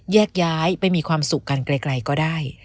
แยกย้ายไปมีความสุขกันไกลก็ได้